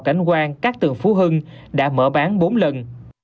cảnh quan cát tường phú hưng đã mở bán bốn lần